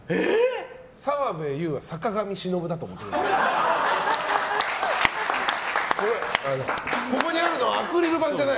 澤部佑は坂上忍だと思ってください。